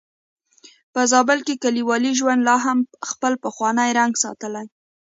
په زابل کې کليوالي ژوند لا هم خپل پخوانی رنګ ساتلی.